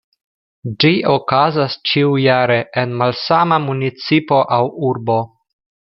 Ĝi okazas ĉiujare en malsama municipo aŭ urbo.